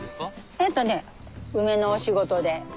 えとね梅のお仕事で。